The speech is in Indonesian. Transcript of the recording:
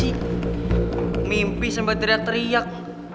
nih mimpi sampai teriak teriak